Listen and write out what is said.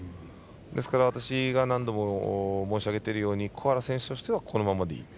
ですから、私が何度も申し上げているように小原選手としてはこのままでいい。